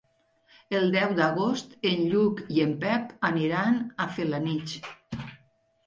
El deu d'agost en Lluc i en Pep aniran a Felanitx.